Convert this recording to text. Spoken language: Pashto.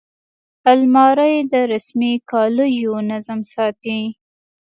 الماري د رسمي کالیو نظم ساتي